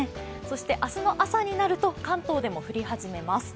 明日の朝になると関東でも降り始めます。